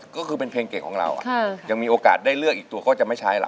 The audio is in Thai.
ก็คือเป็นเพลงเก่งของเรายังมีโอกาสได้เลือกอีกตัวก็จะไม่ใช้ล่ะ